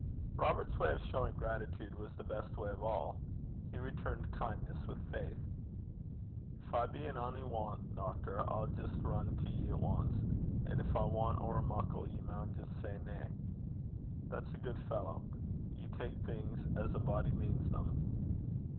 Robert's way of showing gratitude was the best way of all. He returned kindness with faith. 'Gin I be in ony want, doctor, I'll jist rin to ye at ance. An' gin I want ower muckle ye maun jist say na.' 'That's a good fellow. You take things as a body means them.'